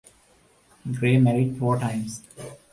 Grey married four times.